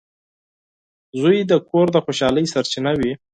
• زوی د کور د خوشحالۍ سرچینه وي.